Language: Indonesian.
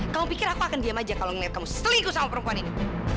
kamu pikir aku akan diam aja kalau ngelihat kamu selingkuh sama perempuan ini